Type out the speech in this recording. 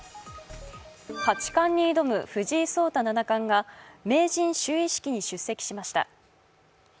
八冠に挑む藤井聡太七冠が名人就位式に出席しました。